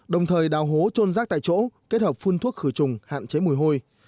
đồng thời đào hố trôn rác tại chỗ kết hợp phun thuốc khử trùng hạn chế mùi hôi